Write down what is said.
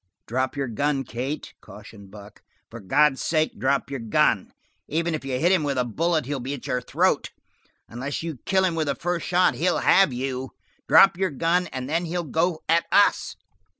"Drop your gun, Kate," cautioned Buck. "For God's sake drop your gun. Even if you hit him with a bullet, he'll be at your throat. Unless you kill him with the first shot he'll have you. Drop your gun, and then he'll go at us."